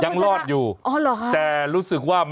ยังรอดอยู่แต่รู้สึกว่าอ๋อเหรอค่ะ